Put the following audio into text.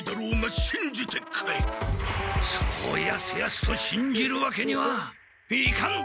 そうやすやすとしんじるわけにはいかん！